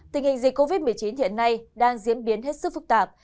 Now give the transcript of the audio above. tình hình dịch covid một mươi chín hiện nay đang diễn biến hết sức phức tạp